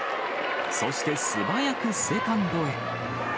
そして素早くセカンドへ。